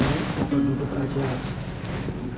papa duduk aja